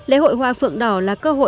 lễ hội hoa phượng đỏ năm nay tôi thấy là